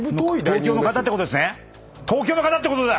東京の方ってことだ！